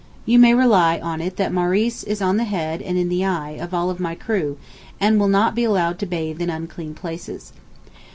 You may rely on it that Maurice is 'on the head and in the eye' of all my crew, and will not be allowed to bathe in 'unclean places.